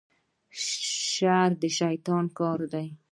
شر د شیطان کار دی